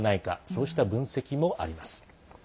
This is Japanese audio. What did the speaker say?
そうした分析もあります。